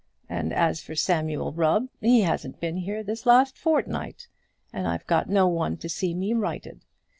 And as for Samuel Rubb, he hasn't been here this last fortnight, and I've got no one to see me righted.